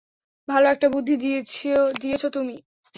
ভালো একটা বুদ্ধি দিয়েছ তুমি।